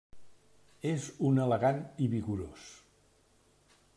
És un elegant i vigorós.